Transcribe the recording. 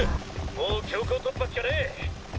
もう強行突破しかねぇ！